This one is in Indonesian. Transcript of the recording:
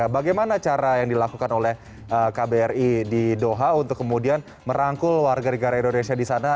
bagaimana cara yang dilakukan oleh kbri di doha untuk kemudian merangkul warga negara indonesia di sana